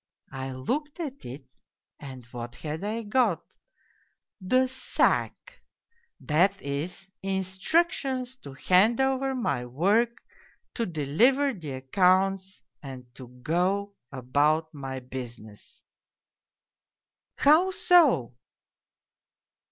I looked at it and what had I got ? The sack ! That is, instructions to hand over my work, to deliver the accounts and to go about my business !"" How so